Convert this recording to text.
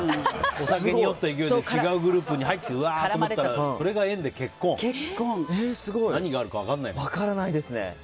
お酒に酔った勢いで違うグループが来てうわと思ったらそれが縁で結婚って何があるか分からないですね。